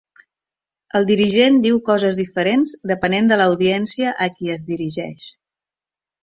El dirigent diu coses diferents depenent de l'audiència a qui es dirigeix